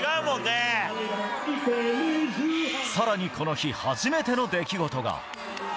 さらにこの日、初めての出来事が。